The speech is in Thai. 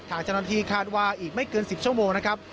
ถ้าจังหวันที่คาดว่าอีกไม่เกิน๑๐ชั่วโมงนะครับ